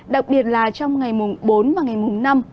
đặc biệt là trong ngày mùng bốn và ngày mùng năm